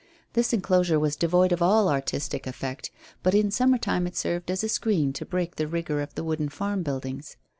This enclosure was devoid of all artistic effect, but in summer time it served as a screen to break the rigour of the wooden farm buildings.